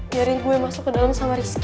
biarin gue masuk ke dalam sama rizky